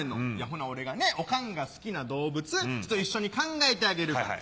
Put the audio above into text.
ほな俺がねオカンが好きな動物一緒に考えてあげるから。